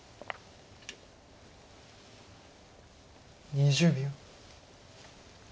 ２０秒。